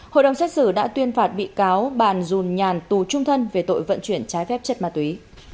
hội đồng xét xử đã tuyên phạt bị cáo bàn dùn nhàn tù trung thân về tội vận chuyển trái phép chất ma túy